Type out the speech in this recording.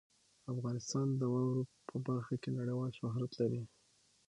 افغانستان د واورو په برخه کې نړیوال شهرت لري.